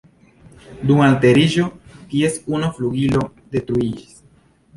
Dum alteriĝo, ties unu flugilo detruiĝis.